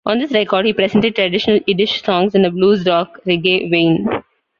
On this record he presented traditional Yiddish songs in a blues-rock-reggae vein.